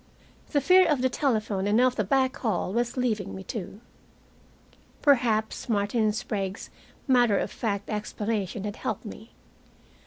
The fear of the telephone and of the back hall was leaving me, too. Perhaps Martin Sprague's matter of fact explanation had helped me.